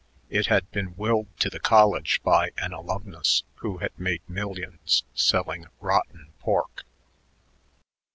It had been willed to the college by an alumnus who had made millions selling rotten pork.